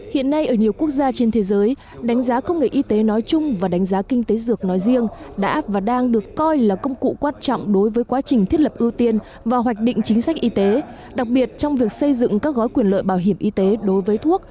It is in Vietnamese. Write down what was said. hiện nay ở nhiều quốc gia trên thế giới đánh giá công nghệ y tế nói chung và đánh giá kinh tế dược nói riêng đã và đang được coi là công cụ quan trọng đối với quá trình thiết lập ưu tiên và hoạch định chính sách y tế đặc biệt trong việc xây dựng các gói quyền lợi bảo hiểm y tế đối với thuốc